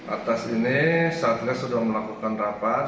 atas ini satgas sudah melakukan rapat